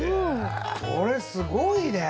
これすごいね！